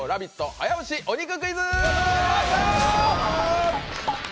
早押しお肉クイズ。